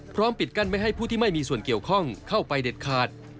ปิดกั้นไม่ให้ผู้ที่ไม่มีส่วนเกี่ยวข้องเข้าไปเด็ดขาด